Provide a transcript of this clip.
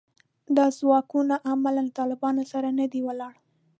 دا ځواکونه عملاً له طالبانو سره نه دي ولاړ